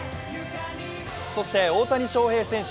そして大谷翔平選手